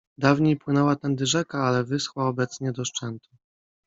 Dawniej płynęła tędy rzeka, ale wyschła obecnie do szczętu.